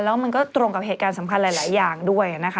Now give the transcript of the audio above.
แล้วมันก็ตรงกับเหตุการณ์สำคัญหลายอย่างด้วยนะคะ